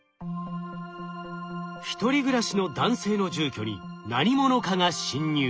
１人暮らしの男性の住居に何者かが侵入。